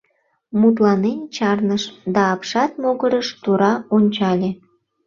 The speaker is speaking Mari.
Мутланен чарныш да апшат могырыш тура ончале.